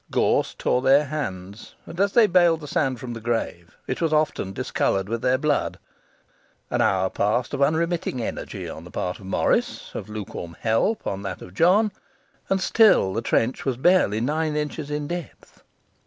Gorse tore their hands; and as they baled the sand from the grave, it was often discoloured with their blood. An hour passed of unremitting energy upon the part of Morris, of lukewarm help on that of John; and still the trench was barely nine inches in depth.